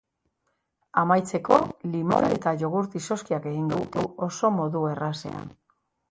Amaitzeko, limoi eta jogurt izozkiak egingo ditu oso modu errazean.